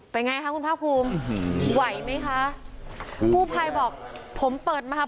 เป็นไงคะคุณภาคภูมิไหวไหมคะกู้ภัยบอกผมเปิดมา